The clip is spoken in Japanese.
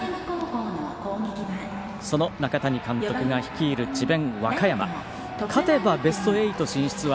その中谷監督が率いる智弁